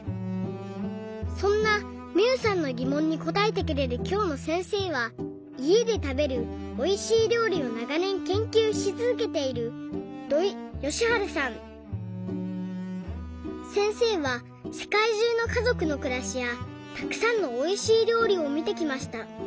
そんなみゆさんのぎもんにこたえてくれるきょうのせんせいはいえでたべるおいしい料理をながねん研究しつづけているせんせいはせかいじゅうのかぞくのくらしやたくさんのおいしい料理をみてきました。